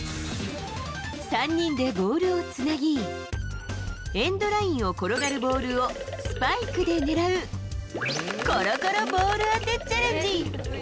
３人でボールをつなぎ、エンドラインを転がるボールをスパイクで狙うころころボール当てチャレンジ。